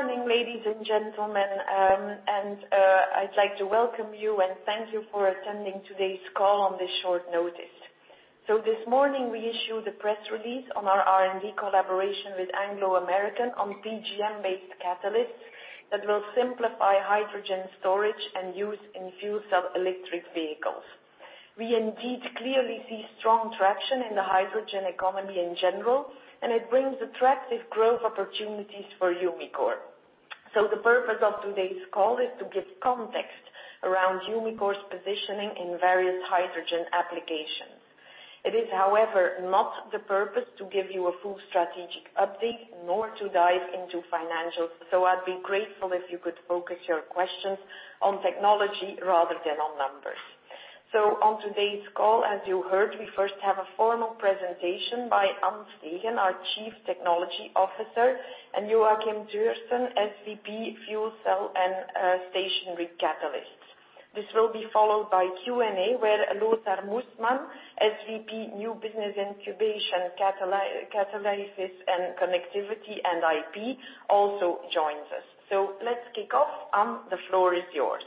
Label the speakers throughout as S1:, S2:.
S1: Good morning, ladies and gentlemen. I'd like to welcome you and thank you for attending today's call on this short notice. This morning, we issued a press release on our R&D collaboration with Anglo American on PGM-based catalysts that will simplify hydrogen storage and use in fuel cell electric vehicles. We indeed clearly see strong traction in the hydrogen economy in general, and it brings attractive growth opportunities for Umicore. The purpose of today's call is to give context around Umicore's positioning in various hydrogen applications. It is, however, not the purpose to give you a full strategic update, nor to dive into financials. I'd be grateful if you could focus your questions on technology rather than on numbers. On today's call, as you heard, we first have a formal presentation by Geert Olbrechts, our Chief Technology Officer, and Joakim Reimer Thøgersen, SVP, Fuel Cell & Stationary Catalysts. This will be followed by Q&A, where Lothar Mussmann, SVP new business incubation, catalysis and connectivity, and IP, also joins us. Let's kick off. Geert, the floor is yours.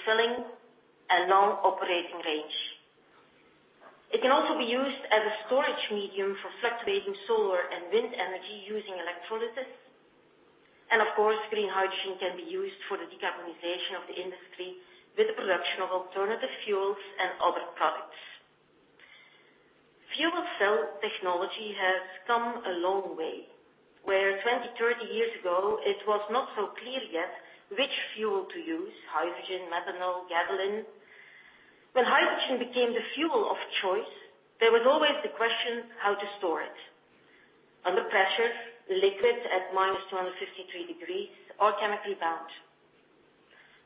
S2: Fast refilling and long operating range. It can also be used as a storage medium for fluctuating solar and wind energy using electrolysis, and of course, green hydrogen can be used for the decarbonization of the industry with the production of alternative fuels and other products. Fuel cell technology has come a long way, where 20, 30 years ago, it was not so clear yet which fuel to use, hydrogen, methanol, gasoline. When hydrogen became the fuel of choice, there was always the question how to store it. Under pressure, liquids at -253 degrees, or chemically bound.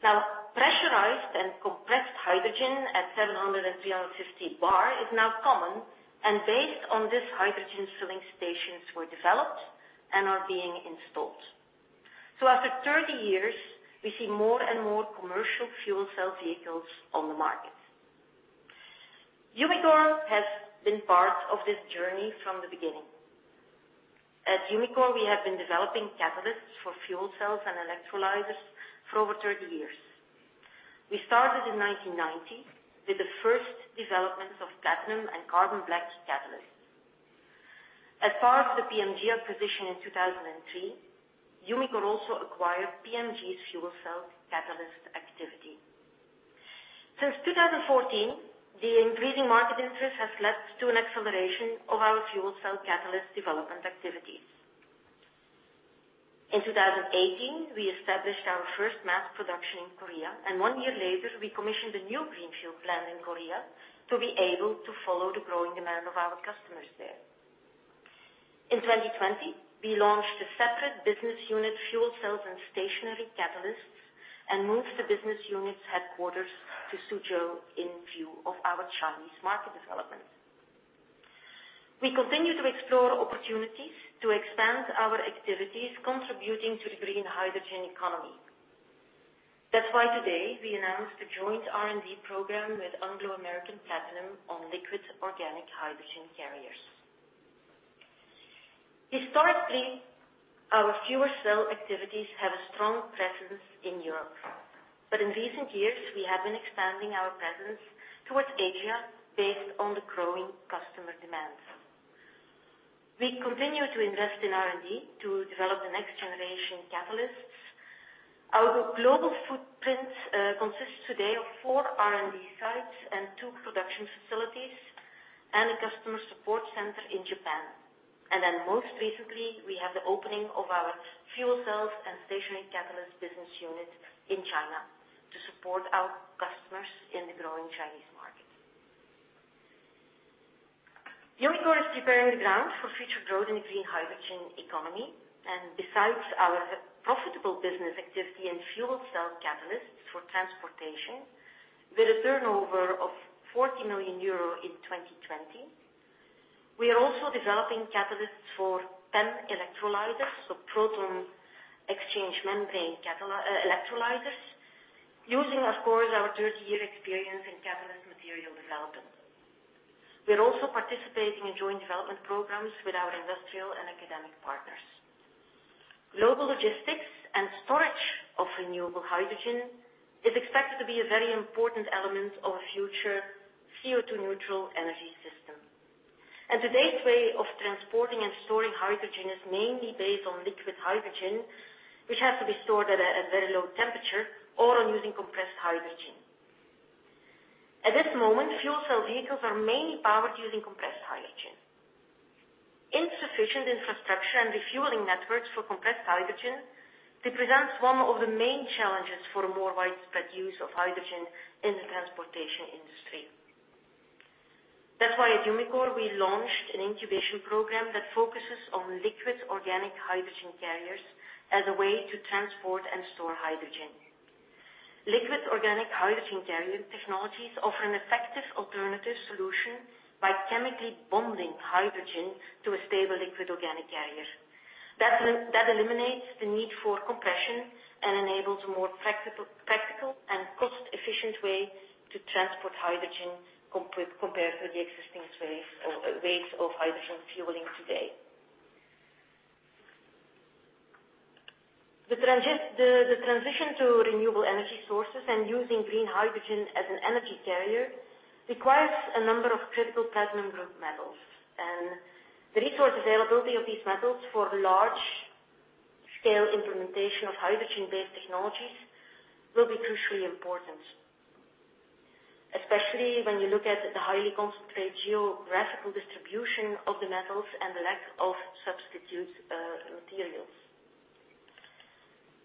S2: Now, pressurized and compressed hydrogen at 700 and 350 bar is now common, and based on this, hydrogen filling stations were developed and are being installed. Umicore has been part of this journey from the beginning. At Umicore, we have been developing catalysts for fuel cells and electrolyzers for over 30 years. We started in 1990 with the first development of platinum and carbon black catalysts. As part of the PMG acquisition in 2003, Umicore also acquired PMG's fuel cell catalyst activity. Since 2014, the increasing market interest has led to an acceleration of our fuel cell catalyst development activities. In 2018, we established our first mass production in Korea, and one year later, we commissioned a new greenfield plant in Korea to be able to follow the growing demand of our customers there. In 2020, we launched a separate business unit, Fuel Cell & Stationary Catalysts, and moved the business unit's headquarters to Suzhou in view of our Chinese market development. We continue to explore opportunities to expand our activities, contributing to the green hydrogen economy. That's why today we announced a joint R&D program with Anglo American Platinum on liquid organic hydrogen carriers. Historically, our fuel cell activities have a strong presence in Europe. In recent years, we have been expanding our presence towards Asia based on the growing customer demands. We continue to invest in R&D to develop the next generation catalysts. Our global footprint consists today of four R&D sites and two production facilities, and a customer support center in Japan. Most recently, we had the opening of our Fuel Cell & Stationary Catalysts business unit in China to support our customers in the growing Chinese market. Umicore is preparing the ground for future growth in the green hydrogen economy. Besides our profitable business activity in fuel cell catalysts for transportation, with a turnover of 40 million euro in 2020, we are also developing catalysts for PEM electrolyzers, so proton-exchange membrane electrolyzers, using, of course, our 30-year experience in catalyst material development. We are also participating in joint development programs with our industrial and academic partners. Global logistics and storage of renewable hydrogen is expected to be a very important element of a future CO2 neutral energy system. Today's way of transporting and storing hydrogen is mainly based on liquid hydrogen, which has to be stored at a very low temperature or on using compressed hydrogen. At this moment, fuel cell vehicles are mainly powered using compressed hydrogen. Insufficient infrastructure and refueling networks for compressed hydrogen represents one of the main challenges for a more widespread use of hydrogen in the transportation industry. That's why at Umicore, we launched an incubation program that focuses on liquid organic hydrogen carriers as a way to transport and store hydrogen. Liquid organic hydrogen carrier technologies offer an effective alternative solution by chemically bonding hydrogen to a stable liquid organic carrier. That eliminates the need for compression and enables more practical and cost-efficient ways to transport hydrogen compared to the existing ways of hydrogen fueling today. The transition to renewable energy sources and using green hydrogen as an energy carrier requires a number of critical platinum group metals, and the resource availability of these metals for large-scale implementation of hydrogen-based technologies will be crucially important, especially when you look at the highly concentrated geographical distribution of the metals and the lack of substitute materials.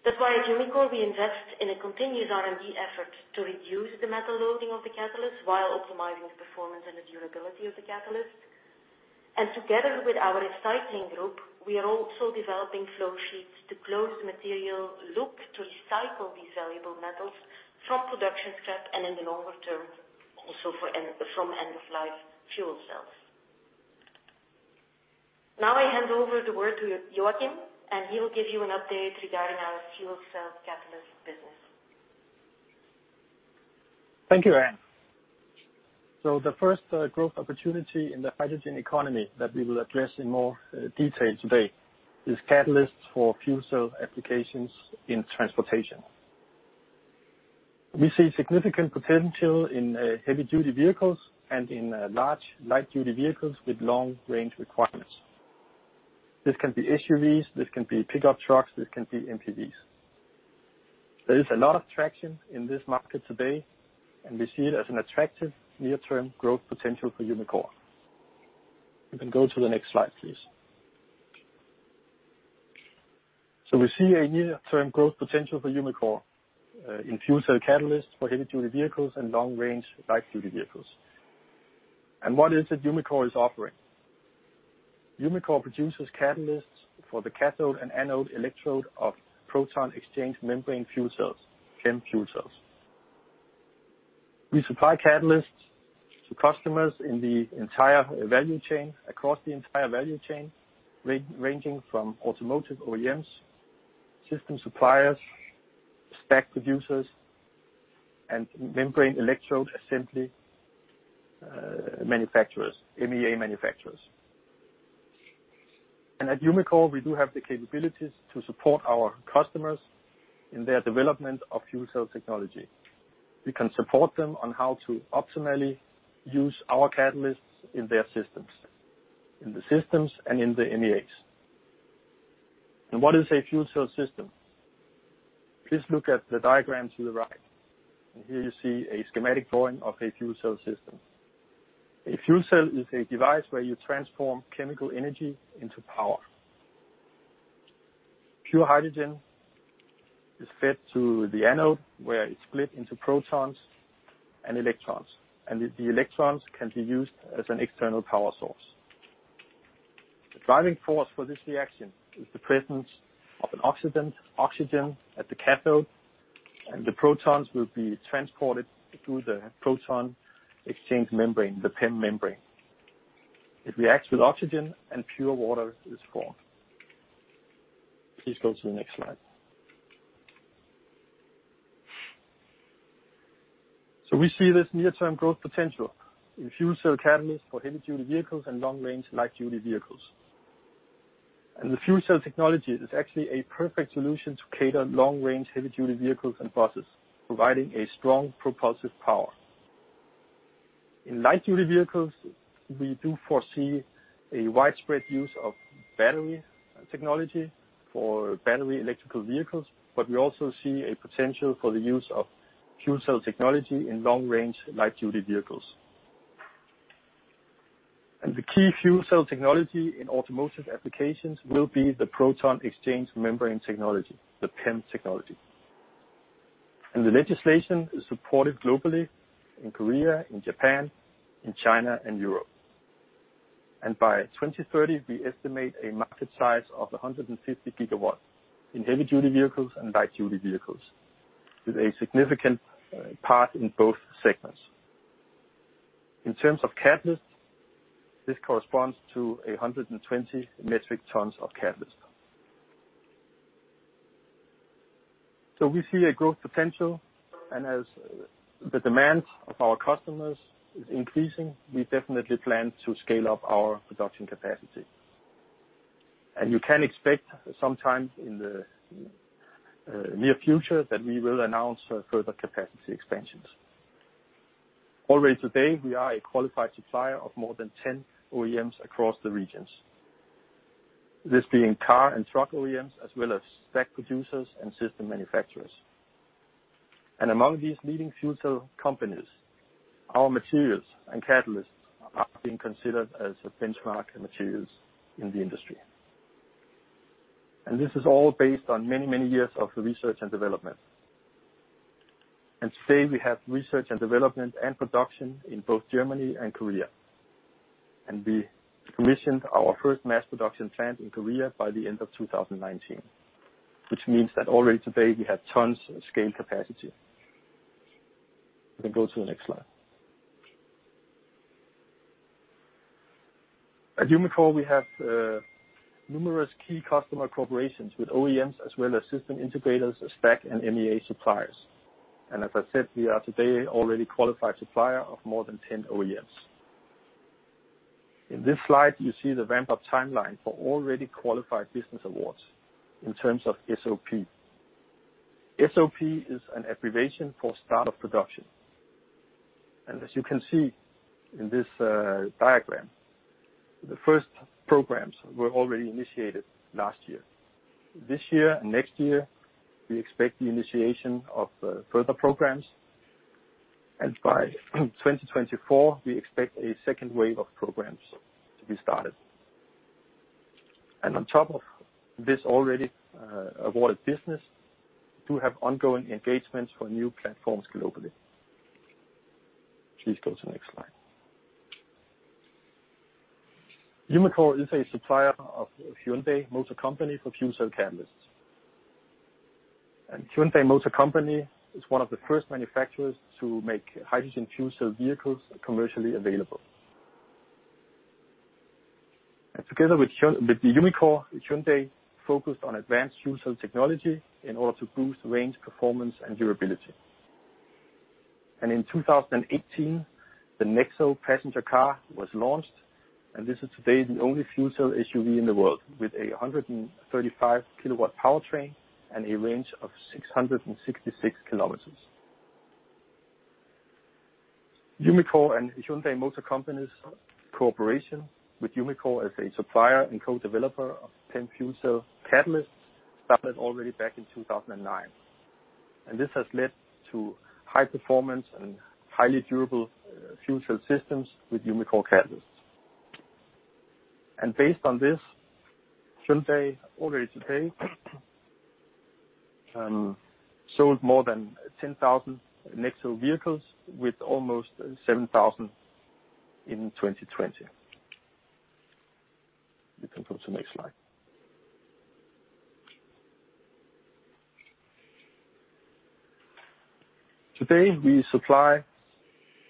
S2: That's why at Umicore, we invest in a continuous R&D effort to reduce the metal loading of the catalyst while optimizing the performance and the durability of the catalyst. Together with our recycling group, we are also developing flow sheets to close the material loop to recycle these valuable metals from production scrap and in the longer term, also from end-of-life fuel cells. Now I hand over the word to Joakim, and he will give you an update regarding our fuel cell catalyst business.
S3: Thank you, Geert. The first growth opportunity in the hydrogen economy that we will address in more detail today is catalysts for fuel cell applications in transportation. We see significant potential in heavy-duty vehicles and in large light-duty vehicles with long range requirements. This can be SUVs, this can be pickup trucks, this can be MPV. There is a lot of traction in this market today, and we see it as an attractive near-term growth potential for Umicore. You can go to the next slide, please. We see a near-term growth potential for Umicore in fuel cell catalysts for heavy-duty vehicles and long-range light-duty vehicles. What is it Umicore is offering? Umicore produces catalysts for the cathode and anode electrode of proton-exchange membrane fuel cells, PEM fuel cells. We supply catalysts to customers in the entire value chain, across the entire value chain, ranging from automotive OEMs, system suppliers, stack producers, and membrane electrode assembly manufacturers, MEA manufacturers. At Umicore, we do have the capabilities to support our customers in their development of fuel cell technology. We can support them on how to optimally use our catalysts in their systems, in the systems and in the MEAs. What is a fuel cell system? Please look at the diagram to the right, and here you see a schematic drawing of a fuel cell system. A fuel cell is a device where you transform chemical energy into power. Pure hydrogen is fed to the anode, where it's split into protons and electrons, and the electrons can be used as an external power source. The driving force for this reaction is the presence of an oxidant, oxygen, at the cathode. The protons will be transported through the proton-exchange membrane, the PEM membrane. It reacts with oxygen. Pure water is formed. Please go to the next slide. We see this near-term growth potential in fuel cell catalysts for heavy-duty vehicles and long-range light-duty vehicles. The fuel cell technology is actually a perfect solution to cater long-range heavy-duty vehicles and buses, providing a strong propulsive power. In light-duty vehicles, we do foresee a widespread use of battery technology for battery electric vehicles. We also see a potential for the use of fuel cell technology in long-range light-duty vehicles. The key fuel cell technology in automotive applications will be the proton-exchange membrane technology, the PEM technology. The legislation is supported globally in Korea, in Japan, in China, and Europe. By 2030, we estimate a market size of 150 GW in heavy-duty vehicles and light-duty vehicles, with a significant part in both segments. In terms of catalysts, this corresponds to 120 metric tons of catalyst. We see a growth potential, and as the demand of our customers is increasing, we definitely plan to scale up our production capacity. You can expect sometime in the near future that we will announce further capacity expansions. Already today, we are a qualified supplier of more than 10 OEMs across the regions, this being car and truck OEMs, as well as stack producers and system manufacturers. Among these leading fuel cell companies, our materials and catalysts are being considered as benchmark materials in the industry. This is all based on many, many years of research and development. Today, we have research and development and production in both Germany and Korea. We commissioned our first mass production plant in Korea by the end of 2019, which means that already today we have tons of scale capacity. You can go to the next slide. At Umicore, we have numerous key customer corporations with OEMs as well as system integrators, stack, and MEA suppliers. As I said, we are today already qualified supplier of more than 10 OEMs. In this slide, you see the ramp-up timeline for already qualified business awards in terms of SOP. SOP is an abbreviation for start of production. As you can see in this diagram, the first programs were already initiated last year. This year and next year, we expect the initiation of further programs. By 2024, we expect a second wave of programs to be started. On top of this already awarded business, we do have ongoing engagements for new platforms globally. Please go to the next slide. Umicore is a supplier of Hyundai Motor Company for fuel cell catalysts. Hyundai Motor Company is one of the first manufacturers to make hydrogen fuel cell vehicles commercially available. Together with Umicore, Hyundai focused on advanced fuel cell technology in order to boost range, performance, and durability. In 2018, the NEXO passenger car was launched, and this is today the only fuel cell SUV in the world, with a 135 kW powertrain and a range of 666 km. Umicore and Hyundai Motor Company's cooperation with Umicore as a supplier and co-developer of PEM fuel cell catalysts started already back in 2009. This has led to high performance and highly durable fuel cell systems with Umicore catalysts. Based on this, Hyundai already today sold more than 10,000 NEXO vehicles, with almost 7,000 in 2020. You can go to the next slide. Today, we supply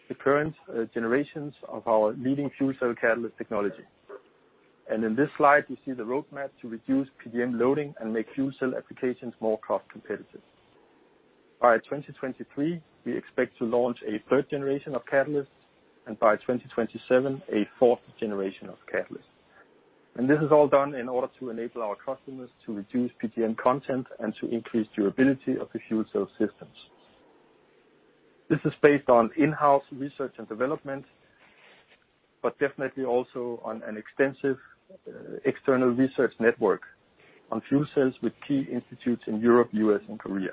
S3: the current generations of our leading fuel cell catalyst technology. In this slide, we see the roadmap to reduce PGM loading and make fuel cell applications more cost competitive. By 2023, we expect to launch a third generation of catalysts, by 2027, a fourth generation of catalysts. This is all done in order to enable our customers to reduce PGM content and to increase durability of the fuel cell systems. This is based on in-house research and development, but definitely also on an extensive external research network on fuel cells with key institutes in Europe, U.S., and Korea.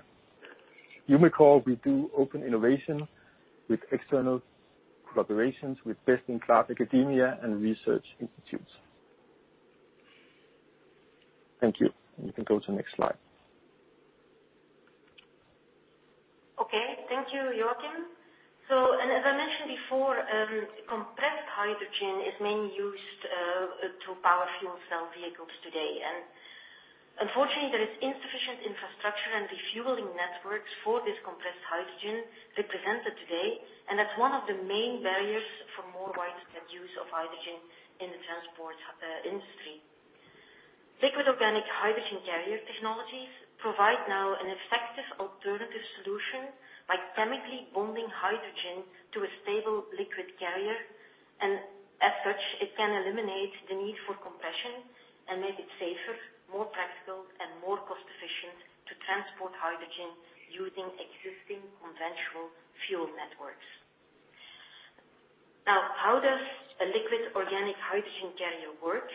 S3: Umicore, we do open innovation with external collaborations with best-in-class academia and research institutes. Thank you. You can go to the next slide.
S2: Thank you, Joakim. As I mentioned before, compressed hydrogen is mainly used to power fuel cell vehicles today. Unfortunately, there is insufficient infrastructure and refueling networks for this compressed hydrogen represented today, and that's one of the main barriers for more widespread use of hydrogen in the transport industry. Liquid organic hydrogen carrier technologies provide now an effective alternative solution by chemically bonding hydrogen to a stable liquid carrier, and as such, it can eliminate the need for compression and make it safer, more practical, and more cost-efficient to transport hydrogen using existing conventional fuel networks. Now, how does a liquid organic hydrogen carrier work?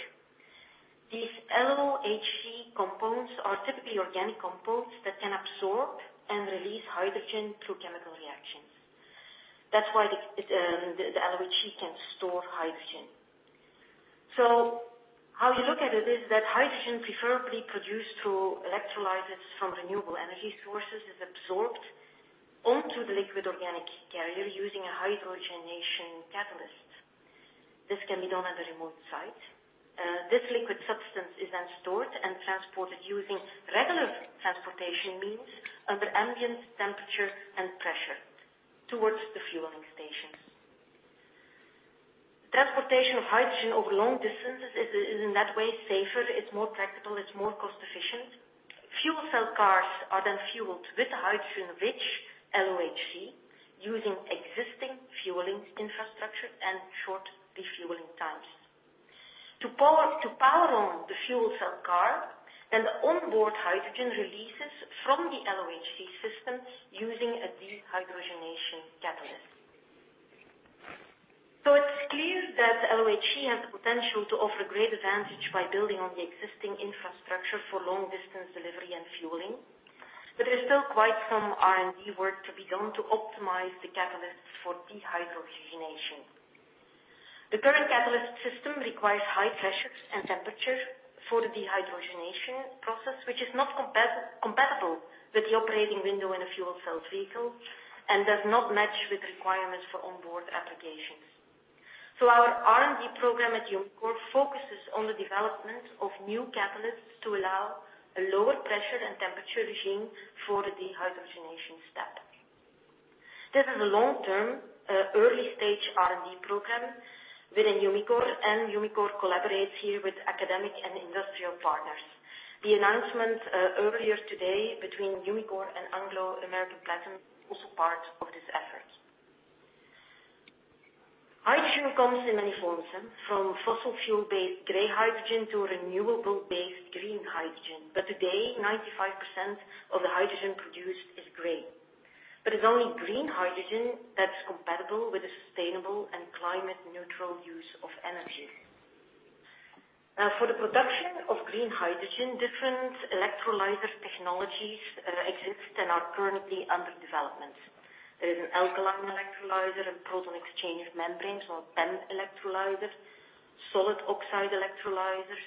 S2: These LOHC components are typically organic components that can absorb and release hydrogen through chemical reactions. That's why the LOHC can store hydrogen. How you look at it is that hydrogen preferably produced through electrolysis from renewable energy sources is absorbed onto the liquid organic carrier using a hydrogenation catalyst. This can be done at a remote site. This liquid substance is then stored and transported using regular transportation means under ambient temperature and pressure towards the fueling stations. Transportation of hydrogen over long distances is in that way safer, it's more practical, it's more cost efficient. Fuel cell cars are then fueled with hydrogen-rich LOHC using existing fueling infrastructure and short refueling times. To power on the fuel cell car, the onboard hydrogen releases from the LOHC system using a dehydrogenation catalyst. It's clear that LOHC has the potential to offer great advantage by building on the existing infrastructure for long distance delivery and fueling, but there's still quite some R&D work to be done to optimize the catalyst for dehydrogenation. The current catalyst system requires high pressures and temperature for the dehydrogenation process, which is not compatible with the operating window in a fuel cell vehicle, and does not match with requirements for onboard applications. Our R&D program at Umicore focuses on the development of new catalysts to allow a lower pressure and temperature regime for the dehydrogenation step. This is a long-term, early-stage R&D program within Umicore, and Umicore collaborates here with academic and industrial partners. The announcement earlier today between Umicore and Anglo American Platinum is also part of this effort. Hydrogen comes in many forms, from fossil fuel-based gray hydrogen to renewable-based green hydrogen. Today, 95% of the hydrogen produced is gray. It's only green hydrogen that's compatible with the sustainable and climate-neutral use of energy. For the production of green hydrogen, different electrolyzer technologies exist and are currently under development. There is an alkaline electrolyzer, a proton-exchange membrane, so a PEM electrolyzer, solid oxide electrolyzers,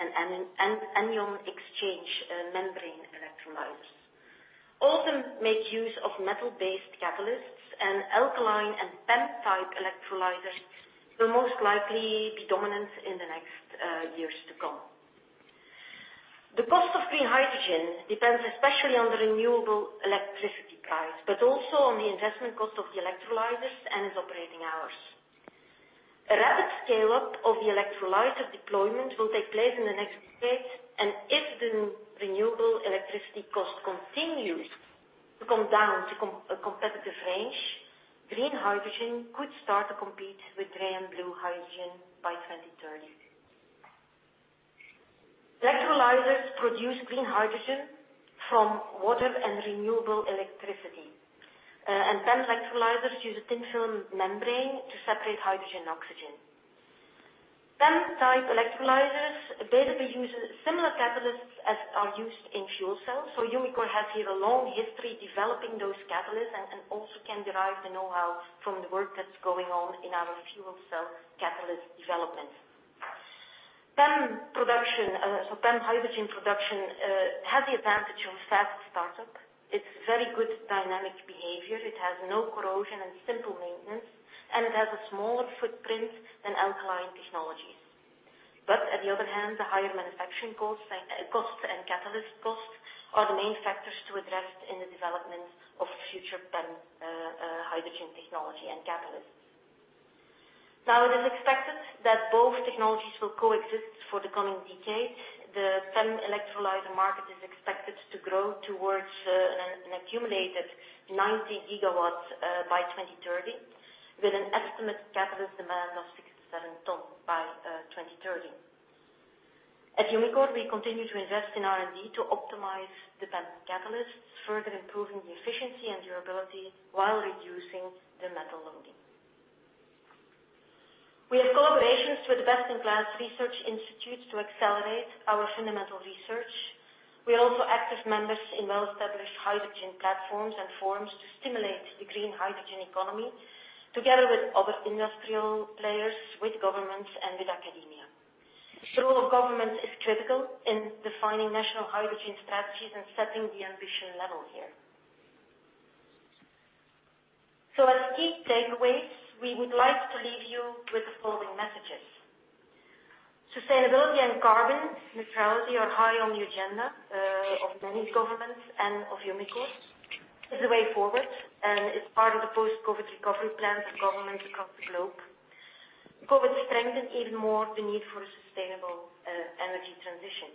S2: and anion exchange membrane electrolyzers. All of them make use of metal-based catalysts, and alkaline and PEM-type electrolyzers will most likely be dominant in the next years to come. The cost of green hydrogen depends especially on the renewable electricity price, but also on the investment cost of the electrolyzers and its operating hours. A rapid scale-up of the electrolyzer deployment will take place in the next decade, and if the renewable electricity cost continues to come down to a competitive range, green hydrogen could start to compete with gray and blue hydrogen by 2030. electrolyzers produce green hydrogen from water and renewable electricity. PEM electrolyzers use a thin film membrane to separate hydrogen and oxygen. Umicore has here a long history developing those catalysts and also can derive the know-how from the work that's going on in our fuel cell catalyst development. PEM hydrogen production has the advantage of fast startup. It's very good dynamic behavior. It has no corrosion and simple maintenance, and it has a smaller footprint than alkaline technologies. On the other hand, the higher manufacturing costs and catalyst costs are the main factors to address in the development of future PEM hydrogen technology and catalysts. It is expected that both technologies will coexist for the coming decade. The PEM electrolyzer market is expected to grow towards an accumulated 90 GW by 2030, with an estimate catalyst demand of 6,700 tonnes by 2030. At Umicore, we continue to invest in R&D to optimize the PEM catalysts, further improving the efficiency and durability while reducing the metal loading. We have collaborations with best-in-class research institutes to accelerate our fundamental research. We are also active members in well-established hydrogen platforms and forums to stimulate the green hydrogen economy, together with other industrial players, with governments, and with academia. The role of government is critical in defining national hydrogen strategies and setting the ambition level here. As key takeaways, we would like to leave you with the following messages. Sustainability and carbon neutrality are high on the agenda of many governments and of Umicore. It's the way forward, and it's part of the post-COVID recovery plans of governments across the globe. COVID strengthened even more the need for a sustainable energy transition.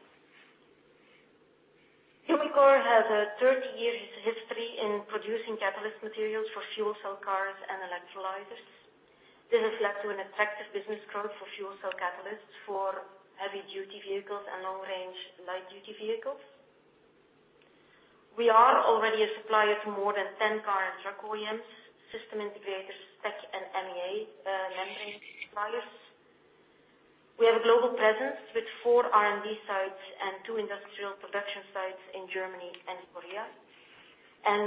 S2: Umicore has a 30 years history in producing catalyst materials for fuel cell cars and electrolyzers. This has led to an attractive business growth for fuel cell catalysts for heavy-duty vehicles and long-range light-duty vehicles. We are already a supplier to more than 10 car and truck OEMs, system integrators, stack, and MEA membrane suppliers. We have a global presence with four R&D sites and two industrial production sites in Germany and Korea.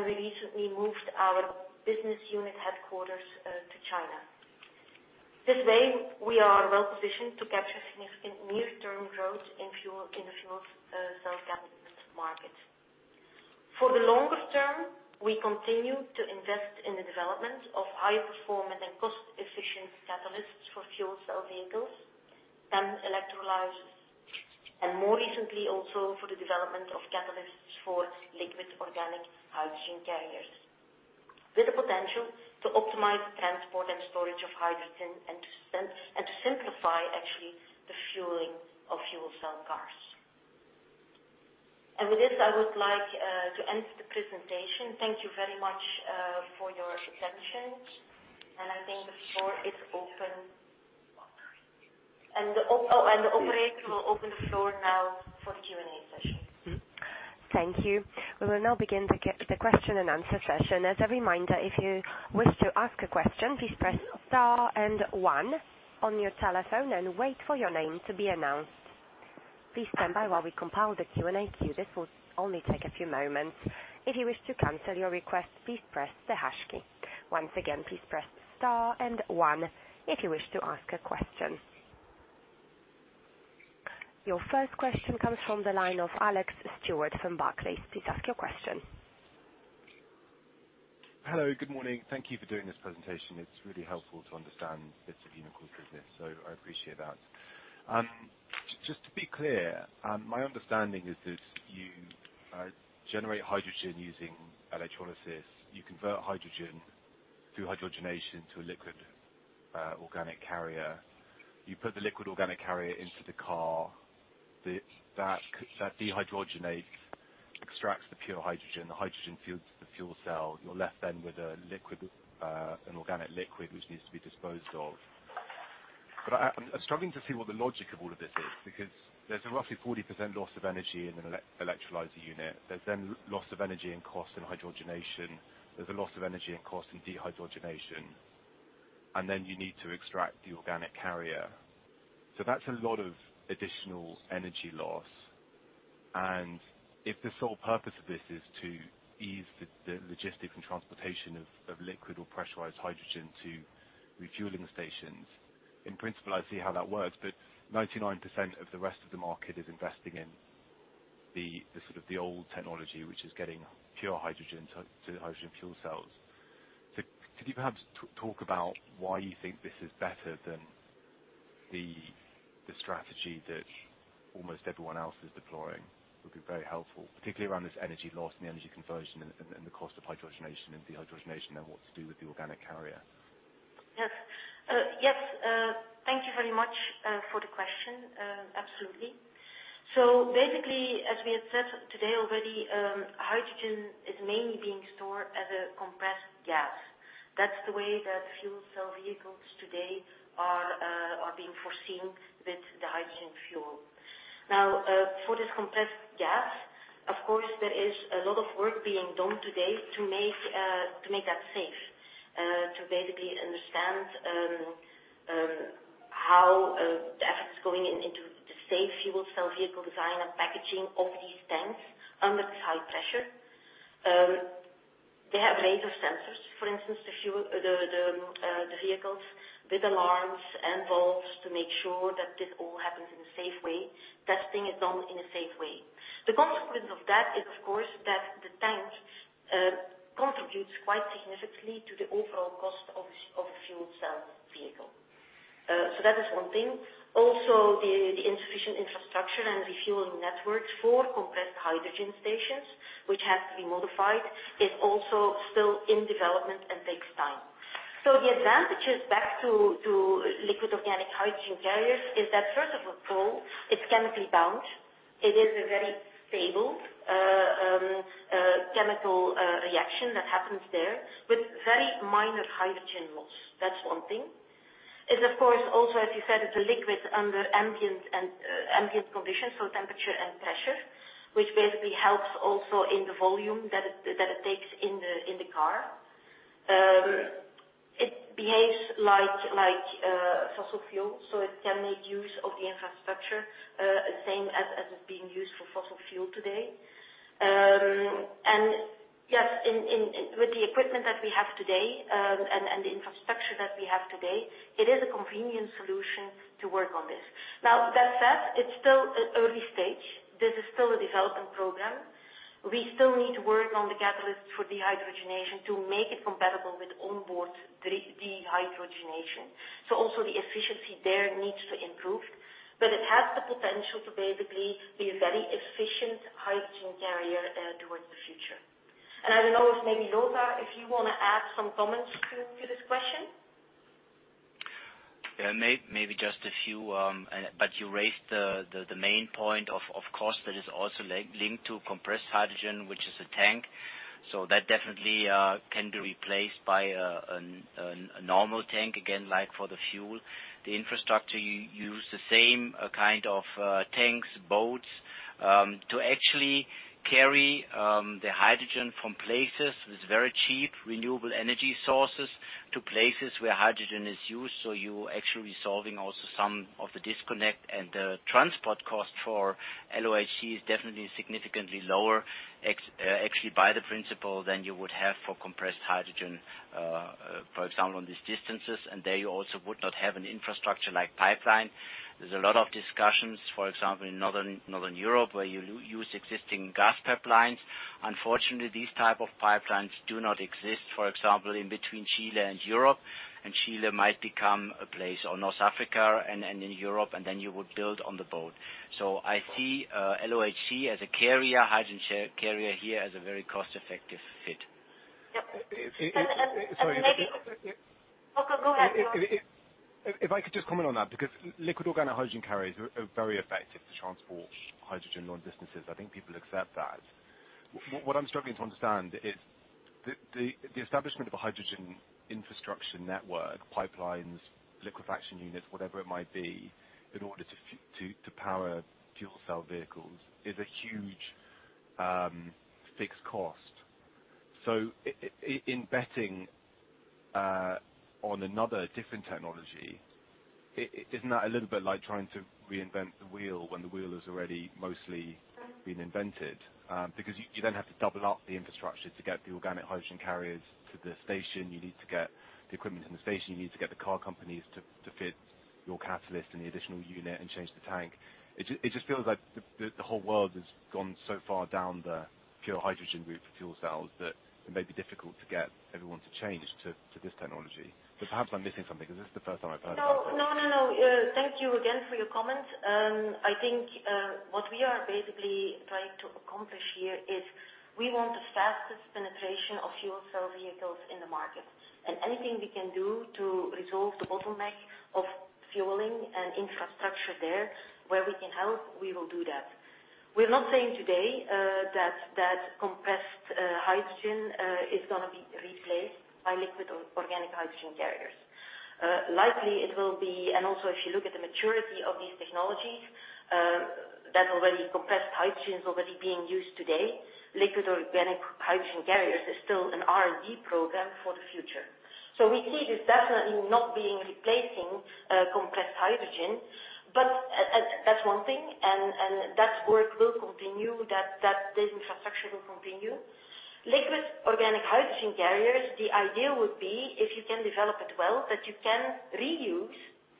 S2: We recently moved our business unit headquarters to China. This way, we are well-positioned to capture significant near-term growth in the fuel cell catalyst market. For the longer term, we continue to invest in the development of high-performance and cost-efficient catalysts for fuel cell vehicles, PEM electrolyzers, and more recently, also for the development of catalysts for liquid organic hydrogen carriers, with the potential to optimize the transport and storage of hydrogen and to simplify actually the fueling of fuel cell cars. With this, I would like to end the presentation. Thank you very much for your attention. I think the floor is open. The operator will open the floor now for the Q&A session.
S4: Thank you. We will now begin the question and answer session. As a reminder, if you wish to ask a question, please press star and one on your telephone and wait for your name to be announced. Please stand by while we compile the Q&A queue. This will only take a few moments. If you wish to cancel your request, please press the hash key. Once again, please press star and one if you wish to ask a question. Your first question comes from the line of Alex Stewart from Barclays. Please ask your question.
S5: Hello. Good morning. Thank you for doing this presentation. It's really helpful to understand bits of Umicore's business, so I appreciate that. Just to be clear, my understanding is that you generate hydrogen using electrolysis. You convert hydrogen through hydrogenation to a liquid, organic carrier. You put the liquid organic carrier into the car. That dehydrogenation extracts the pure hydrogen, the hydrogen fuels the fuel cell. You're left then with an organic liquid, which needs to be disposed of. I'm struggling to see what the logic of all of this is, because there's a roughly 40% loss of energy in an electrolyzer unit. There's then loss of energy and cost in hydrogenation. There's a loss of energy and cost in dehydrogenation. You need to extract the organic carrier. That's a lot of additional energy loss. If the sole purpose of this is to ease the logistics and transportation of liquid or pressurized hydrogen to refueling stations, in principle, I see how that works. 99% of the rest of the market is investing in the old technology, which is getting pure hydrogen to hydrogen fuel cells. Could you perhaps talk about why you think this is better than the strategy that almost everyone else is deploying? Would be very helpful, particularly around this energy loss and the energy conversion and the cost of hydrogenation and dehydrogenation and what to do with the organic carrier.
S2: Yes. Thank you very much for the question. Absolutely. Basically, as we had said today already, hydrogen is mainly being stored as a compressed gas. That's the way that fuel cell vehicles today are being foreseen with the hydrogen fuel. For this compressed gas, of course, there is a lot of work being done today to make that safe, to basically understand how the efforts going into the safe fuel cell vehicle design and packaging of these tanks under this high pressure. They have laser sensors, for instance, the vehicles, with alarms and valves to make sure that this all happens in a safe way, testing is done in a safe way. The consequence of that is, of course, that the tanks contributes quite significantly to the overall cost of a fuel cell vehicle. That is one thing. The insufficient infrastructure and refueling networks for compressed hydrogen stations, which have to be modified, is also still in development and takes time. The advantages back to liquid organic hydrogen carriers is that, first of all, it's chemically bound. It is a very stable chemical reaction that happens there, with very minor hydrogen loss. That's one thing. It's of course, also, as you said, it's a liquid under ambient conditions, so temperature and pressure, which basically helps also in the volume that it takes in the car. It behaves like fossil fuel, so it can make use of the infrastructure, same as is being used for fossil fuel today. Yes, with the equipment that we have today, and the infrastructure that we have today, it is a convenient solution to work on this. That said, it's still at early stage. This is still a development program. We still need to work on the catalyst for dehydrogenation to make it compatible with onboard dehydrogenation. Also the efficiency there needs to improve, but it has the potential to basically be a very efficient hydrogen carrier towards the future. I don't know if maybe Lothar, if you want to add some comments to this question?
S6: Yeah, maybe just a few, but you raised the main point, of course, that is also linked to compressed hydrogen, which is a tank. That definitely can be replaced by a normal tank, again, like for the fuel. The infrastructure, you use the same kind of tanks, boats, to actually carry the hydrogen from places with very cheap renewable energy sources to places where hydrogen is used. You're actually resolving also some of the disconnect and the transport cost for LOHC is definitely significantly lower, actually, by the principle than you would have for compressed hydrogen, for example, on these distances. There you also would not have an infrastructure like pipeline. There's a lot of discussions, for example, in Northern Europe, where you use existing gas pipelines. Unfortunately, these type of pipelines do not exist, for example, in between Chile and Europe, and Chile might become a place or North Africa and in Europe, and then you would build on the boat. I see LOHC as a hydrogen carrier here as a very cost-effective fit.
S2: Yep.
S5: Sorry.
S2: Oh, go ahead.
S5: If I could just comment on that, because liquid organic hydrogen carriers are very effective to transport hydrogen long distances. I think people accept that. What I'm struggling to understand is the establishment of a hydrogen infrastructure network, pipelines, liquefaction units, whatever it might be, in order to power fuel cell vehicles is a huge fixed cost. In betting on another different technology, isn't that a little bit like trying to reinvent the wheel when the wheel is already mostly been invented? You then have to double up the infrastructure to get the organic hydrogen carriers to the station. You need to get the equipment in the station, you need to get the car companies to fit your catalyst and the additional unit and change the tank. It just feels like the whole world has gone so far down the pure hydrogen route for fuel cells that it may be difficult to get everyone to change to this technology. Perhaps I'm missing something, because this is the first time I've heard that.
S2: No. Thank you again for your comment. I think what we are basically trying to accomplish here is we want the fastest penetration of fuel cell vehicles in the market. Anything we can do to resolve the bottleneck of fueling and infrastructure there, where we can help, we will do that. We're not saying today that compressed hydrogen is going to be replaced by liquid organic hydrogen carriers. Likely it will be, if you look at the maturity of these technologies, that already compressed hydrogen is already being used today, liquid organic hydrogen carriers is still an R&D program for the future. We see this definitely not being replacing compressed hydrogen, that's one thing. That work will continue, this infrastructure will continue. Liquid organic hydrogen carriers, the idea would be if you can develop it well, that you can reuse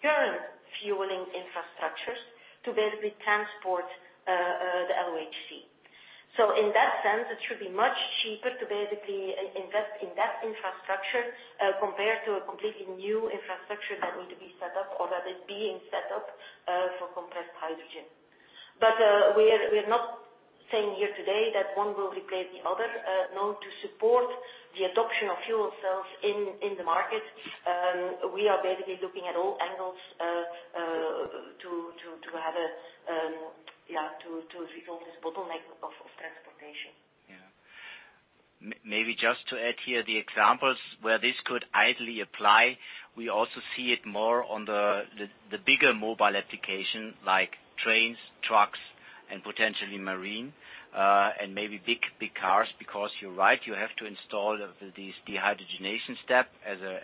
S2: current fueling infrastructures to basically transport the LOHC. In that sense, it should be much cheaper to basically invest in that infrastructure, compared to a completely new infrastructure that needs to be set up or that is being set up, for compressed hydrogen. We're not saying here today that one will replace the other. No. To support the adoption of fuel cells in the market, we are basically looking at all angles to resolve this bottleneck of transportation.
S6: Yeah. Maybe just to add here the examples where this could ideally apply. We also see it more on the bigger mobile application like trains, trucks, and potentially marine, and maybe big cars, because you're right, you have to install this dehydrogenation step as a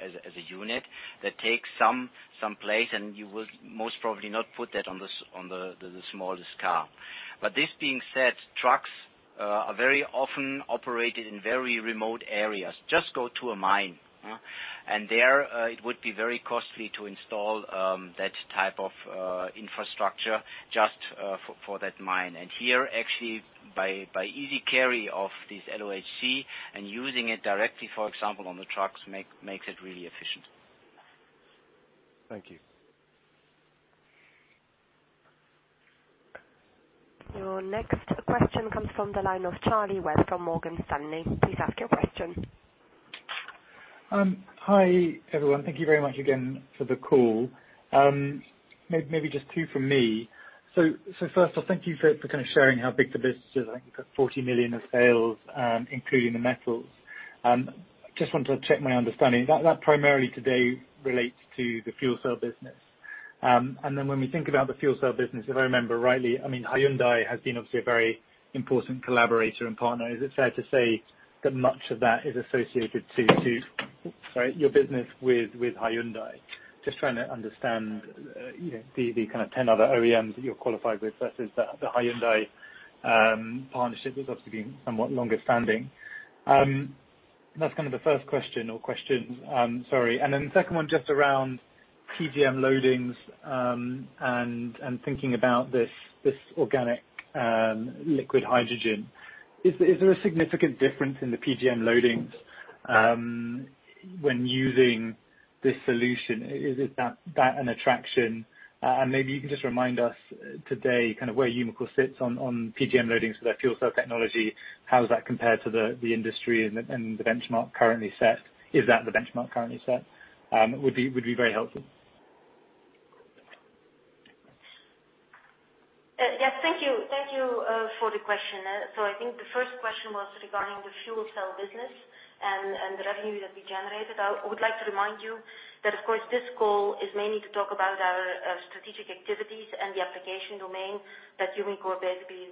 S6: unit that takes some place, and you will most probably not put that on the smallest car. This being said, trucks are very often operated in very remote areas. Just go to a mine, and there, it would be very costly to install that type of infrastructure just for that mine. Here, actually, by easy carry of this LOHC and using it directly, for example, on the trucks, makes it really efficient.
S5: Thank you.
S4: Your next question comes from the line of Charlie Webb from Morgan Stanley. Please ask your question.
S7: Hi, everyone. Thank you very much again for the call. Maybe just two from me. First off, thank you for kind of sharing how big the business is. I think you've got 40 million of sales, including the metals. Just wanted to check my understanding. That primarily today relates to the fuel cell business. When we think about the fuel cell business, if I remember rightly, Hyundai has been obviously a very important collaborator and partner. Is it fair to say that much of that is associated to, sorry, your business with Hyundai? Just trying to understand, the kind of 10 other OEMs that you're qualified with versus the Hyundai partnership, which obviously being somewhat longer standing. That's kind of the first question or questions. Sorry. The second one just around PGM loadings, and thinking about this organic, liquid hydrogen. Is there a significant difference in the PGM loadings, when using this solution? Is that an attraction? Maybe you can just remind us today kind of where Umicore sits on PGM loadings for their fuel cell technology. How does that compare to the industry and the benchmark currently set? Is that the benchmark currently set? Would be very helpful.
S2: Yes. Thank you for the question. I think the first question was regarding the fuel cell business and the revenue that we generated. I would like to remind you that, of course, this call is mainly to talk about our strategic activities and the application domain that Umicore basically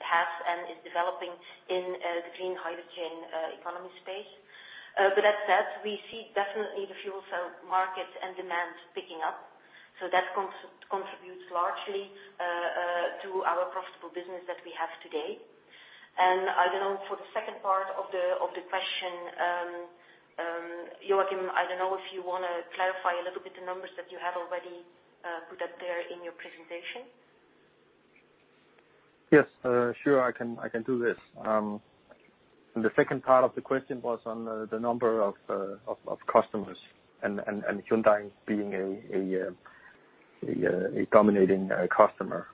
S2: has and is developing in the clean hydrogen economy space. That said, we see definitely the fuel cell market and demand picking up. That contributes largely to our profitable business that we have today. I don't know, for the second part of the question, Joakim, I don't know if you want to clarify a little bit the numbers that you have already put out there in your presentation.
S3: Yes. Sure. I can do this. The second part of the question was on the number of customers and Hyundai being a dominating customer.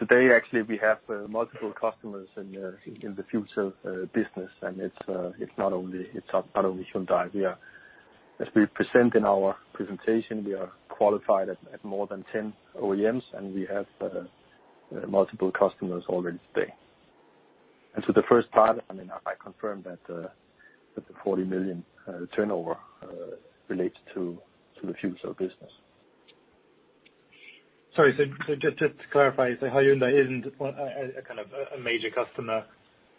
S3: Today, actually, we have multiple customers in the future business, and it's not only Hyundai. As we present in our presentation, we are qualified at more than 10 OEMs, and we have multiple customers already today. So the first part, I confirm that the 40 million turnover relates to the future business.
S7: Sorry, just to clarify, Hyundai isn't a kind of major customer.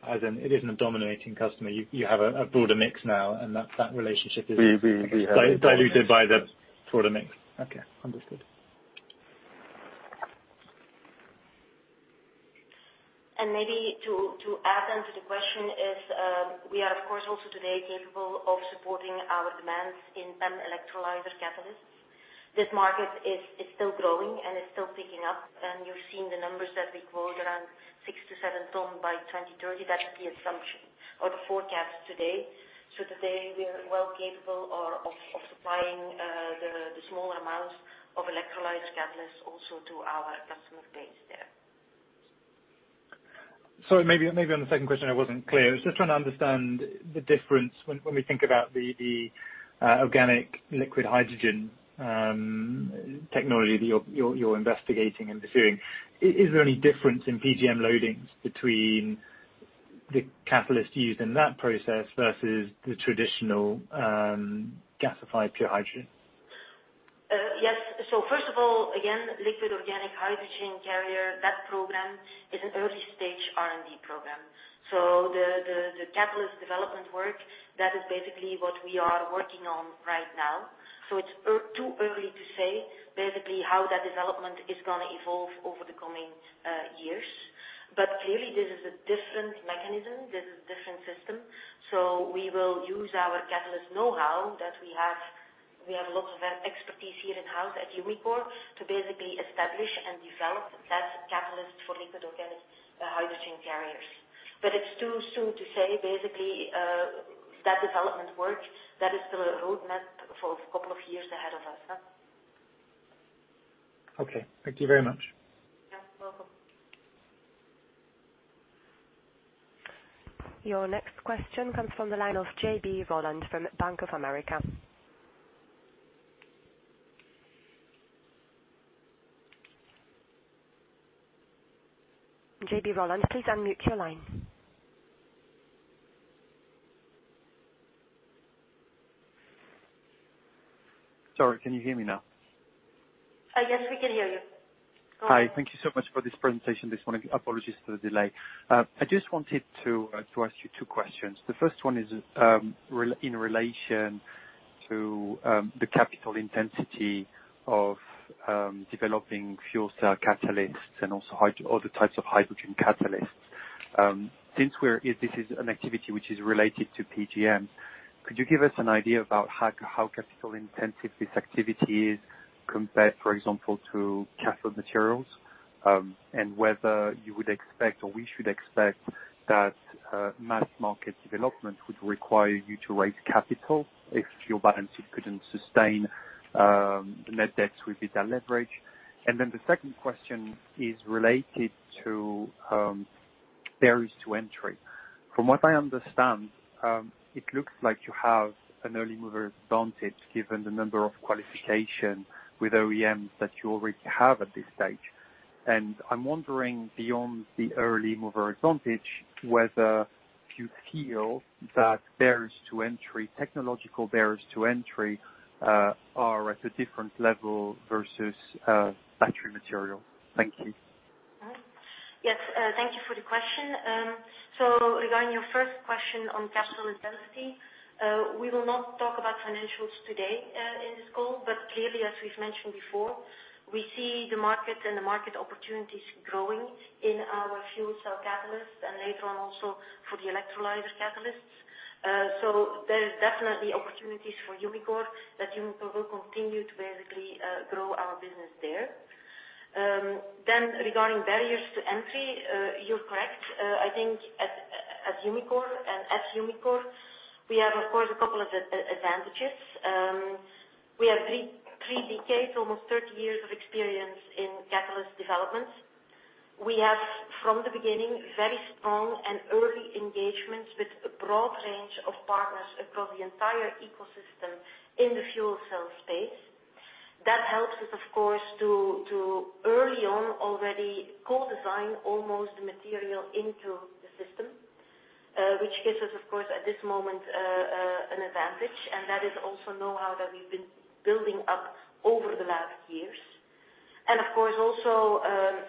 S7: It isn't a dominating customer. You have a broader mix now, and that relationship is.
S3: We have diluted by the broader mix.
S7: Okay. Understood.
S2: Maybe to add on to the question is, we are of course also today capable of supporting our demands in electrolyzer catalysts. This market is still growing and is still picking up, and you're seeing the numbers that we quote around six to seven ton by 2030. That's the assumption or the forecast today. Today, we are well capable of supplying the small amounts of electrolyzer catalysts also to our customer base there.
S7: Sorry, maybe on the second question, I wasn't clear. I was just trying to understand the difference when we think about the organic liquid hydrogen technology that you're investigating and pursuing. Is there any difference in PGM loadings between the catalyst used in that process versus the traditional gasified pure hydrogen?
S2: Yes. First of all, again, liquid organic hydrogen carrier, that program is an early-stage R&D program. The catalyst development work, that is basically what we are working on right now. It's too early to say basically how that development is going to evolve over the coming years. Clearly, this is a different mechanism, this is a different system, so we will use our catalyst know-how that we have. We have a lot of expertise here in-house at Umicore to basically establish and develop that catalyst for liquid organic hydrogen carriers. It's too soon to say, basically, that development work. That is still a roadmap for a couple of years ahead of us.
S7: Okay. Thank you very much.
S2: You're welcome.
S4: Your next question comes from the line of JB Rolland from Bank of America. JB Rolland, please unmute your line.
S8: Sorry, can you hear me now?
S2: Yes, we can hear you.
S8: Hi. Thank you so much for this presentation this morning. Apologies for the delay. I just wanted to ask you two questions. The first one is in relation to the capital intensity of developing fuel cell catalysts and also other types of hydrogen catalysts. Since this is an activity which is related to PGM, could you give us an idea about how capital-intensive this activity is compared, for example, to cathode materials? Whether you would expect or we should expect that mass market development would require you to raise capital if your balance sheet couldn't sustain the net debt with the leverage? The second question is related to barriers to entry. From what I understand, it looks like you have an early mover advantage given the number of qualifications with OEMs that you already have at this stage. I'm wondering, beyond the early mover advantage, whether you feel that barriers to entry, technological barriers to entry, are at a different level versus battery material. Thank you.
S2: Yes. Thank you for the question. Regarding your first question on capital intensity, we will not talk about financials today in this call. Clearly, as we've mentioned before, we see the market and the market opportunities growing in our fuel cell catalysts and later on also for the electrolyzer catalysts. There is definitely opportunities for Umicore that Umicore will continue to basically grow our business there. Regarding barriers to entry, you're correct. I think at Umicore, we have, of course, a couple of advantages. We have three decades, almost 30 years of experience in catalyst development. We have, from the beginning, very strong and early engagements with a broad range of partners across the entire ecosystem in the fuel cell space. That helps us, of course, to early on already co-design almost the material into the system, which gives us, of course, at this moment, an advantage. That is also knowhow that we've been building up over the last years. Of course, also,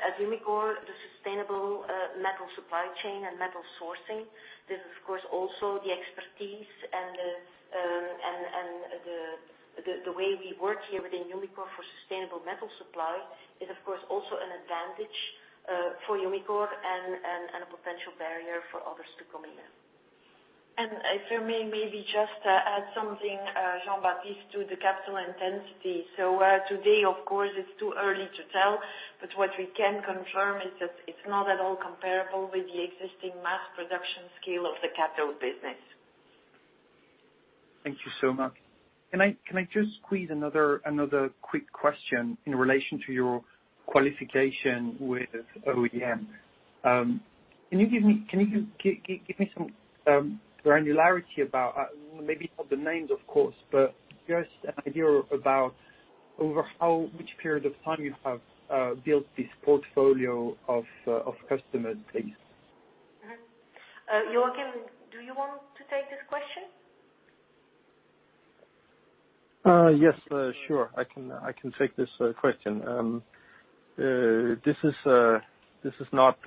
S2: at Umicore, the sustainable metal supply chain and metal sourcing. This is, of course, also the expertise and the way we work here within Umicore for sustainable metal supply is of course, also an advantage for Umicore and a potential barrier for others to come in.
S1: If I may maybe just add something, Jean-Baptiste, to the capital intensity. Today, of course, it's too early to tell, but what we can confirm is that it's not at all comparable with the existing mass production scale of the capital business.
S8: Thank you so much. Can I just squeeze another quick question in relation to your qualification with OEM? Can you give me some granularity about, maybe not the names of course, but just an idea about over which period of time you have built this portfolio of customer base?
S2: Joakim, do you want to take this question?
S3: Yes, sure. I can take this question. This is not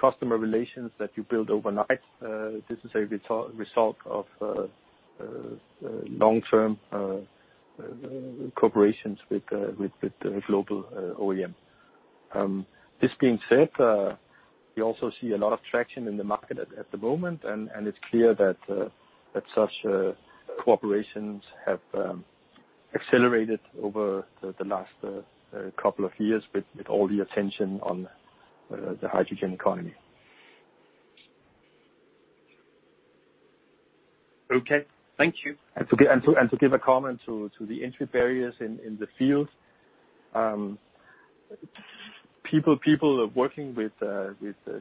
S3: customer relations that you build overnight. This is a result of long-term cooperations with global OEM. This being said, we also see a lot of traction in the market at the moment. It's clear that such cooperations have accelerated over the last couple of years with all the attention on the hydrogen economy.
S8: Okay. Thank you.
S3: To give a comment to the entry barriers in the field. People working with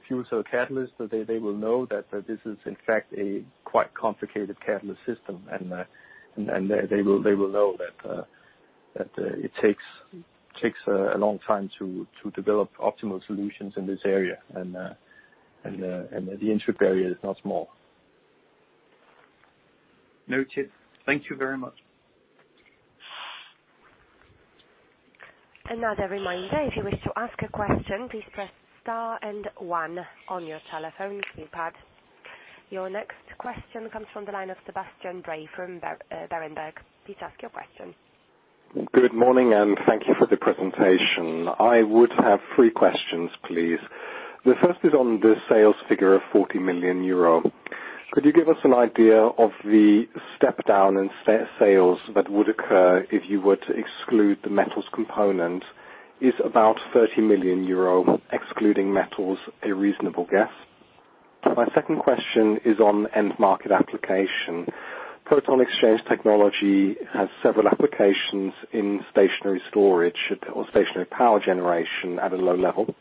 S3: fuel cell catalysts, they will know that this is in fact a quite complicated catalyst system, and they will know that it takes a long time to develop optimal solutions in this area. The entry barrier is not small.
S8: Noted. Thank you very much.
S4: Another reminder, if you wish to ask a question, please press star and one on your telephone keypad. Your next question comes from the line of Sebastian Bray from Berenberg. Please ask your question.
S9: Good morning. Thank you for the presentation. I would have three questions, please. The first is on the sales figure of 40 million euro. Could you give us an idea of the step down in sales that would occur if you were to exclude the metals component? Is about 30 million euro excluding metals a reasonable guess? My second question is on end market application. Proton-exchange technology has several applications in stationary storage or stationary power generation at a low level.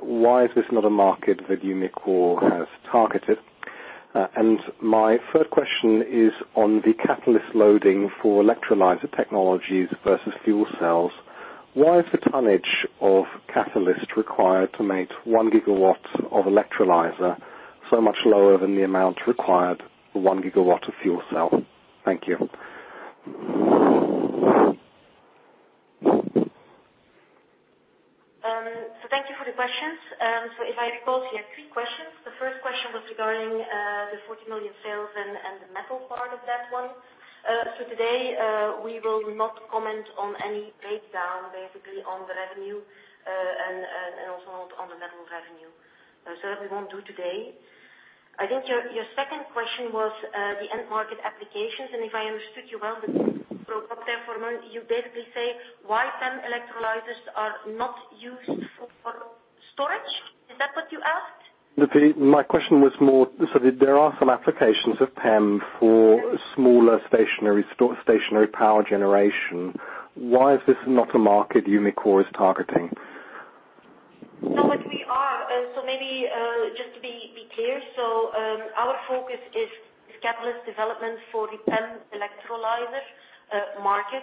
S9: Why is this not a market that Umicore has targeted? My third question is on the catalyst loading for electrolyzer technologies versus fuel cells. Why is the tonnage of catalyst required to make one gigawatt of electrolyzer so much lower than the amount required for one gigawatt of fuel cell? Thank you.
S2: Thank you for the questions. If I recall, you had three questions. The first question was regarding the 40 million sales and the metal part of that one. Today, we will not comment on any breakdown, basically, on the revenue, and also not on the metal revenue. That we won't do today. I think your second question was the end market applications, and if I understood you well, stop there for a moment. You basically say why PEM electrolyzers are not used for storage. Is that what you asked?
S9: My question was more, there are some applications of PEM for smaller stationary power generation. Why is this not a market Umicore is targeting?
S2: No, we are. Maybe, just to be clear. Our focus is catalyst development for the PEM electrolyzer market.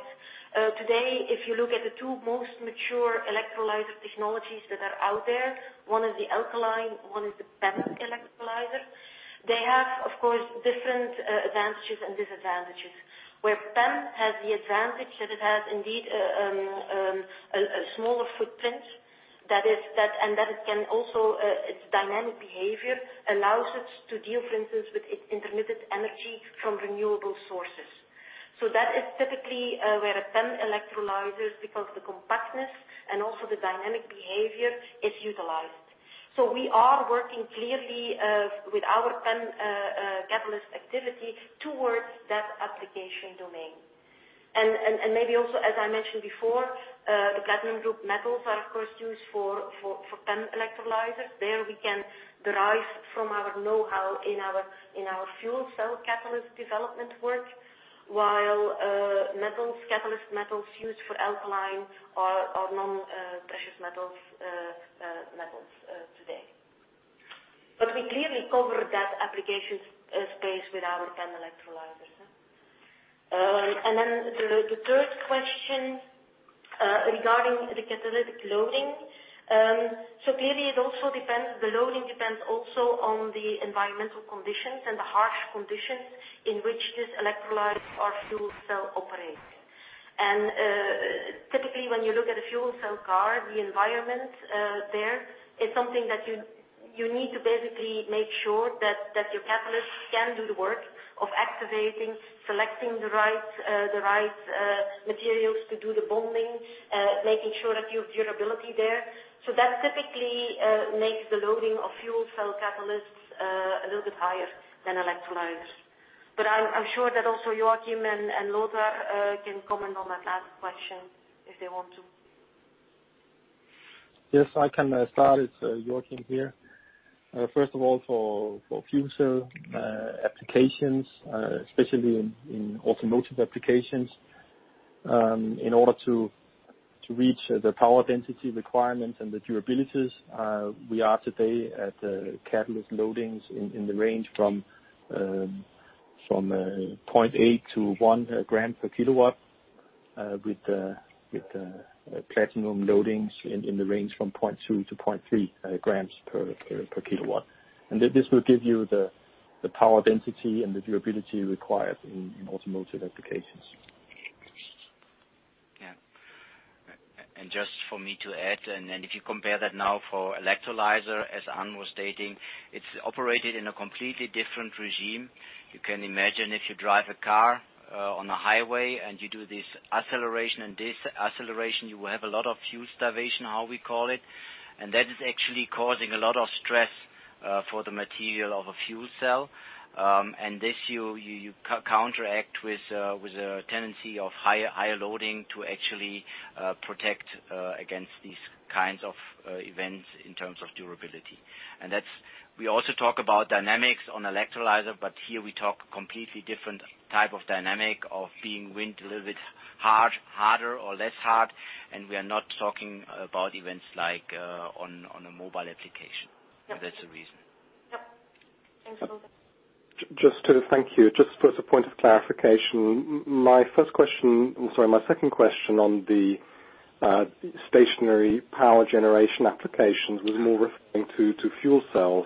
S2: Today, if you look at the two most mature electrolyzer technologies that are out there, one is the alkaline, one is the PEM electrolyzer. They have, of course, different advantages and disadvantages. Where PEM has the advantage that it has indeed a smaller footprint, and that its dynamic behavior allows it to deal, for instance, with its intermittent energy from renewable sources. That is typically where a PEM electrolyzers, because the compactness and also the dynamic behavior, is utilized. We are working clearly with our PEM catalyst activity towards that application domain. Maybe also, as I mentioned before, the platinum group metals are, of course, used for PEM electrolyzers. There we can derive from our know-how in our fuel cell catalyst development work, while metals, catalyst metals used for alkaline are non-precious metals today. We clearly cover that application space with our PEM electrolyzers. The third question, regarding the catalytic loading. Clearly the loading depends also on the environmental conditions and the harsh conditions in which this electrolyzer or fuel cell operates. Typically, when you look at a fuel cell car, the environment there is something that you need to basically make sure that your catalyst can do the work of activating, selecting the right materials to do the bonding, making sure that you have durability there. That typically makes the loading of fuel cell catalysts a little bit higher than electrolyzers. I'm sure that also Joakim and Lothar can comment on that last question if they want to.
S3: Yes, I can start. It is Joakim here. First of all, for fuel cell applications, especially in automotive applications, in order to reach the power density requirements and the durabilities, we are today at the catalyst loadings in the range from 0.8-1 gram per kilowatt. With the platinum loadings in the range from 0.2-0.3 grams per kilowatt. This will give you the power density and the durability required in automotive applications.
S6: Yeah. Just for me to add, if you compare that now for electrolyzer, as Anne was stating, it's operated in a completely different regime. You can imagine if you drive a car on a highway and you do this acceleration, you will have a lot of fuel starvation, how we call it. That is actually causing a lot of stress for the material of a fuel cell. This, you counteract with a tendency of higher loading to actually protect against these kinds of events in terms of durability. We also talk about dynamics on electrolyzer, but here we talk completely different type of dynamic of being wind a little bit harder or less hard. We are not talking about events like on a mobile application. That's the reason.
S2: Yep. Thanks, Lothar.
S9: Thank you. Just as a point of clarification, I'm sorry, my second question on the stationary power generation applications was more referring to fuel cells.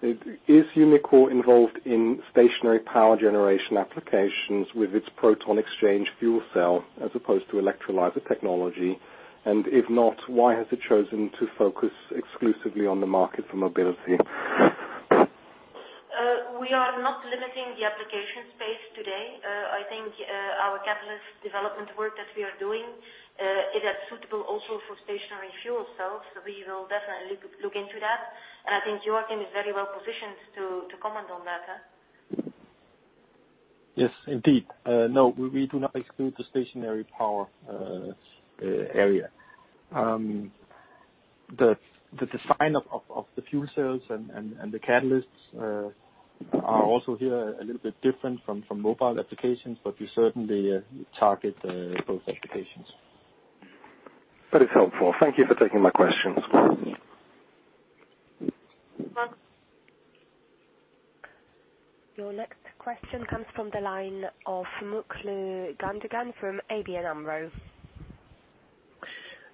S9: Is Umicore involved in stationary power generation applications with its proton-exchange fuel cell as opposed to electrolyzer technology? If not, why has it chosen to focus exclusively on the market for mobility?
S2: We are not limiting the application space today. I think our catalyst development work that we are doing, it is suitable also for stationary fuel cells. We will definitely look into that. And I think Joakim is very well positioned to comment on that.
S3: Yes, indeed. No, we do not exclude the stationary power area. The design of the fuel cells and the catalysts are also here a little bit different from mobile applications, but we certainly target both applications.
S9: That is helpful. Thank you for taking my questions.
S2: Mark.
S4: Your next question comes from the line of Mutlu Gundogan from ABN AMRO.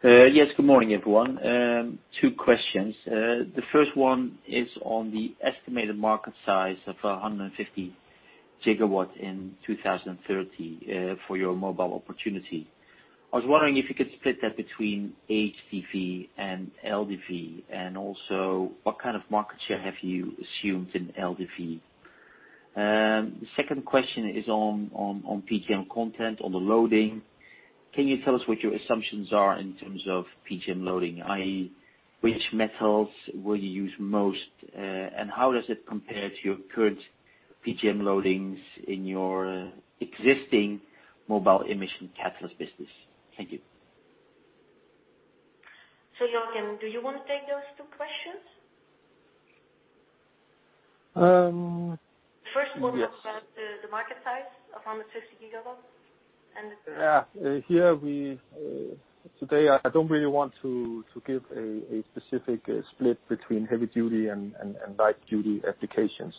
S10: Yes, good morning, everyone. Two questions. The first one is on the estimated market size of 150 GW in 2030 for your mobile opportunity. I was wondering if you could split that between HDV and LDV, and also, what kind of market share have you assumed in LDV? The second question is on PGM content on the loading. Can you tell us what your assumptions are in terms of PGM loading, i.e., which metals will you use most, and how does it compare to your current PGM loadings in your existing mobile emission catalyst business? Thank you.
S2: Joakim, do you want to take those two questions?
S3: Yes.
S2: First one was about the market size of 150 GW.
S3: Yeah. Today, I don't really want to give a specific split between heavy duty and light duty applications.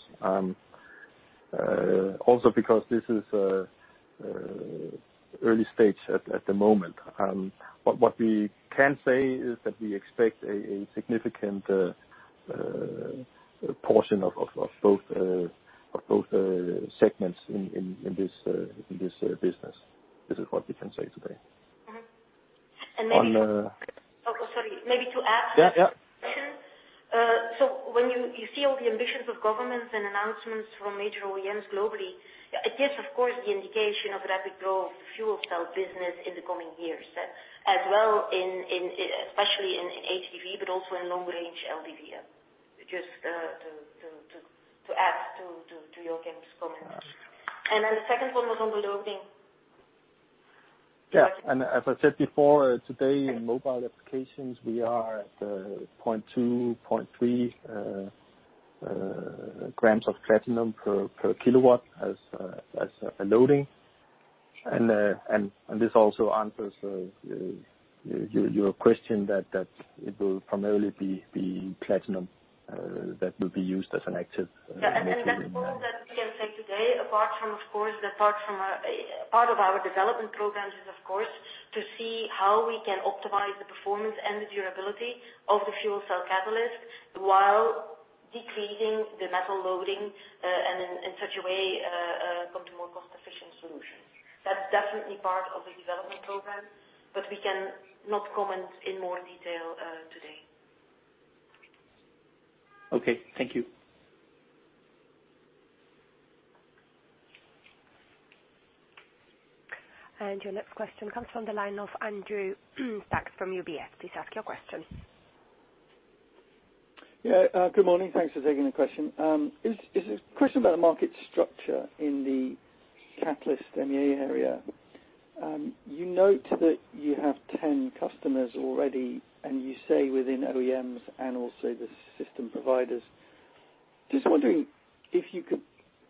S3: Because this is early stage at the moment. What we can say is that we expect a significant portion of both segments in this business. This is what we can say today. On, uh-
S2: Oh, sorry.
S3: Yeah
S2: When you see all the ambitions of governments and announcements from major OEMs globally, it gives, of course, the indication of rapid growth fuel cell business in the coming years, as well, especially in HDV, but also in long-range LDV. Just to add to Joakim's comments. Then the second one was on the loading.
S3: Yeah. As I said before, today in mobile applications, we are at 0.2, 0.3 grams of platinum per kilowatt as a loading. This also answers your question that it will primarily be platinum that will be used as an active material.
S2: Yeah, that's all that we can say today, apart from, of course, part of our development programs is, of course, to see how we can optimize the performance and the durability of the fuel cell catalyst while decreasing the metal loading, and in such a way, come to more cost-efficient solutions. That's definitely part of the development program, but we cannot comment in more detail today.
S10: Okay. Thank you.
S4: Your next question comes from the line of Andrew Back from UBS. Please ask your question.
S11: Yeah, good morning. Thanks for taking the question. It's a question about the market structure in the catalyst MEA area. You note that you have 10 customers already, and you say within OEMs and also the system providers. Just wondering if you could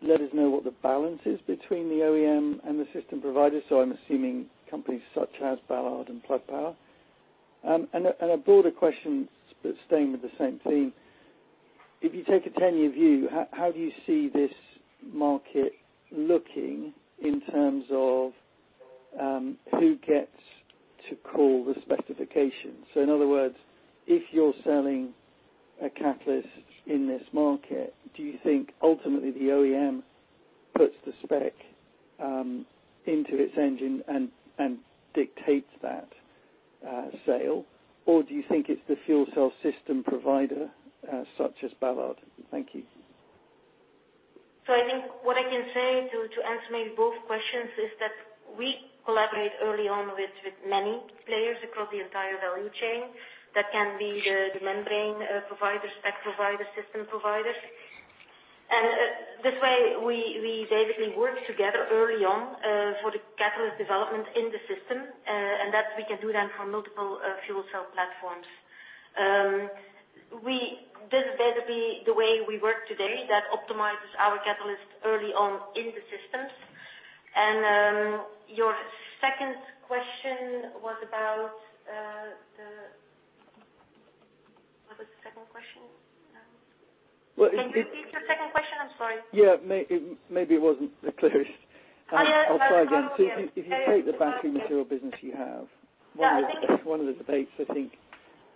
S11: let us know what the balance is between the OEM and the system providers. I'm assuming companies such as Ballard and Plug Power. A broader question, but staying with the same theme. If you take a 10-year view, how do you see this market looking in terms of who gets to call the specifications? In other words, if you're selling a catalyst in this market, do you think ultimately the OEM puts the spec into its engine and dictates that sale? Do you think it's the fuel cell system provider, such as Ballard? Thank you.
S2: I think what I can say, to answer maybe both questions, is that we collaborate early on with many players across the entire value chain. That can be the membrane providers, spec providers, system providers. This way, we basically work together early on, for the catalyst development in the system, that we can do then for multiple fuel cell platforms. This is basically the way we work today, that optimizes our catalyst early on in the systems. Your second question was about the What was the second question?
S11: Well, it-
S2: Can you repeat your second question? I'm sorry.
S11: Yeah. Maybe it wasn't the clearest.
S2: Oh, yeah.
S11: I'll try again. If you take the battery material business.
S2: Yeah. Thank you.
S11: one of the debates, I think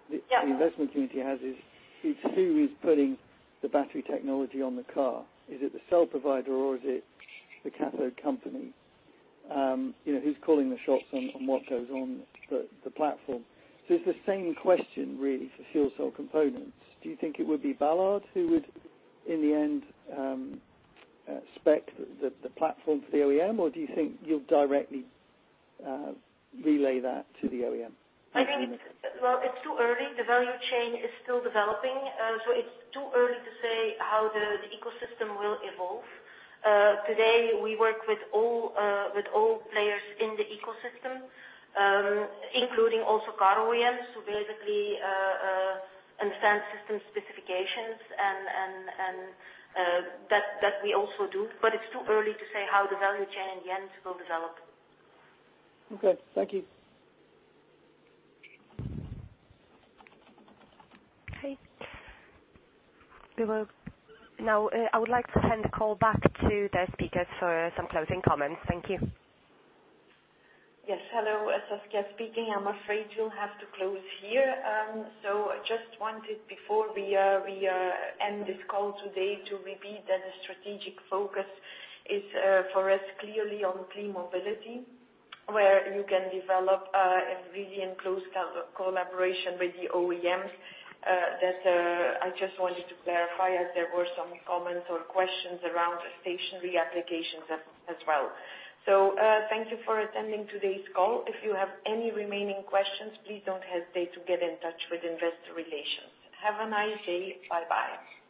S2: Yeah
S11: The investment community has is, who is putting the battery technology on the car? Is it the cell provider or is it the cathode company? Who's calling the shots on what goes on the platform? It's the same question, really, for fuel cell components. Do you think it would be Ballard who would, in the end, spec the platform for the OEM, or do you think you'll directly relay that to the OEM?
S2: I think, well, it's too early. The value chain is still developing. It's too early to say how the ecosystem will evolve. Today, we work with all players in the ecosystem, including also car OEMs, so basically, understand system specifications, and that we also do. It's too early to say how the value chain in the end will develop.
S11: Okay. Thank you.
S4: Okay. Now, I would like to hand the call back to the speakers for some closing comments. Thank you.
S1: Yes. Hello. Saskia speaking. I'm afraid we'll have to close here. Just wanted, before we end this call today, to repeat that the strategic focus is, for us, clearly on clean mobility, where you can develop, and really in close collaboration with the OEMs. That, I just wanted to clarify, as there were some comments or questions around stationary applications as well. Thank you for attending today's call. If you have any remaining questions, please don't hesitate to get in touch with investor relations. Have a nice day. Bye-bye.